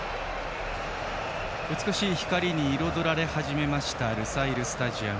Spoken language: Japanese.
美しい光に彩られ始めたルサイルスタジアム。